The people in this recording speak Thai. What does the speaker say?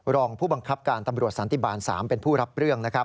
รองผู้บังคับการตำรวจสันติบาล๓เป็นผู้รับเรื่อง